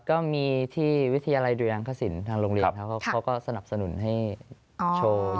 ก็มีที่วิทยาลัยดุริยางคสินทางโรงเรียนเขาก็สนับสนุนให้โชว์อยู่เรื่อย